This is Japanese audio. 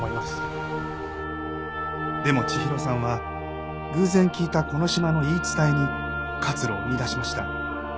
でも千尋さんは偶然聞いたこの島の言い伝えに活路を見いだしました。